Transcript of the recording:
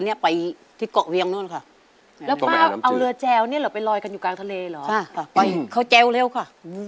ใช่ค่ะไปเขาแจวเร็วค่ะ